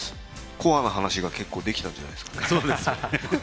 コアな話が結構できたんじゃないですかね。